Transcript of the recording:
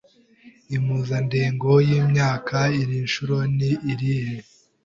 Impuzandengo yimyaka iri shuri ni irihe?